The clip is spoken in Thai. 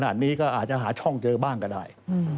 นี้ก็อาจจะหาช่องเจอบ้างก็ได้